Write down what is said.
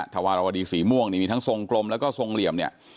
ธาวาลาวดีสี่ม่วงมีทั้งทรงกลมและทรงเหลี่ยมเนี่ย